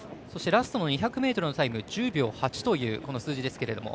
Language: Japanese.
ラストの２００ｍのタイム１０秒８という数字ですけれども。